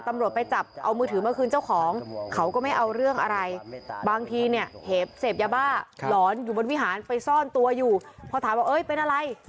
ตำรวจไปจับเอามือถือมาคืนเจ้าของเขาก็ไม่เอาเรื่องอะไร